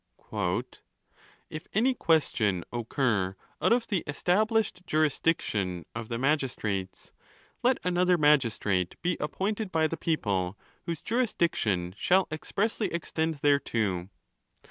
. JV. "If any question occur out of the established iuvisitig tion of the magistrates, let another magistrate be appointed 'by the people, whose jurisdiction shall expressly extend there to.